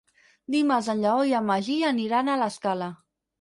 Dimarts en Lleó i en Magí aniran a l'Escala.